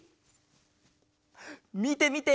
みてみて！